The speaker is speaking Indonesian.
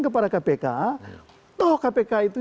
kepada kpk toh kpk itu